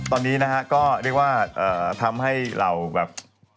ตอนนี้นะฮะก็เรียกว่าทำให้เราแบบ